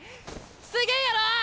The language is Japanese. すげえやろ！